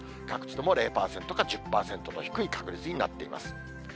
各地とも０％か１０％と低い確率になっています。